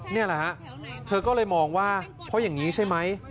นี่แหละฮะเธอก็เลยมองว่าเพราะอย่างนี้ใช่ไหม